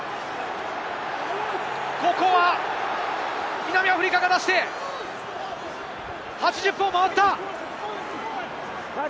南アフリカが出して、８０分を回った！